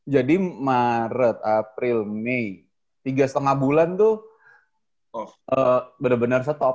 jadi maret april mei tiga lima bulan tuh bener bener stop